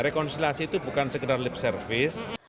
rekonsiliasi itu bukan sekedar lip service